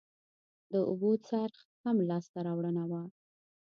د اوبو څرخ هم لاسته راوړنه وه